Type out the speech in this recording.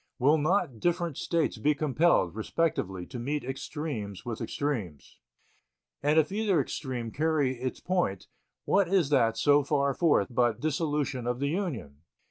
Will not different States be compelled, respectively, to meet extremes with extremes? And if either extreme carry its point, what is that so far forth but dissolution of the Union?